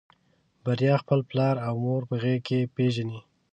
بريا خپل پلار او مور په غږ پېژني.